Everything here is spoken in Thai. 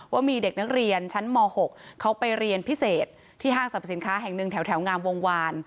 ว่ามีเด็กนักเรียนชั้นม๖เขาไปเรียนพิเศษที่ห้างสรรพสินค้าแห่งหนึ่งแถวงามวงวาน